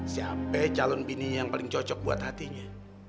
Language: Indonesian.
siapa ya calon bininya yang paling cocok buat hatinya